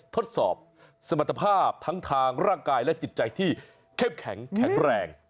ทดสอบสมรรถภาพทั้งทางร่างกายและจิตใจที่เข้มแข็งแข็งแรง